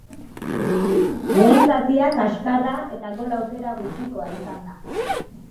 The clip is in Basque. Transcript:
Lehen zatia kaskarra eta gol aukera gutxikoa izan da.